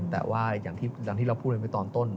แต่ว่าอย่างที่เราพูดอันไปตอนต้น